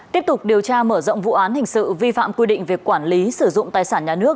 tiếp tục điều tra mở rộng vụ án hình sự vi phạm quy định về quản lý sử dụng tài sản nhà nước